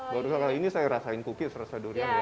baru sekali ini saya rasain kuki serasa duriannya